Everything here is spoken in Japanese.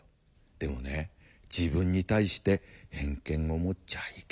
でもね自分に対して偏見を持っちゃいけないんだよ」。